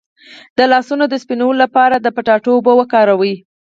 د لاسونو د سپینولو لپاره د کچالو اوبه وکاروئ